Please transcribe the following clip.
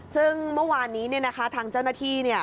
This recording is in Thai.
ซึ่งเมื่อวานนี้เนี่ยนะคะทางเจ้าหน้าที่เนี่ย